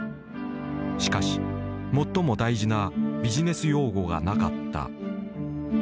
しかし最も大事なビジネス用語がなかった。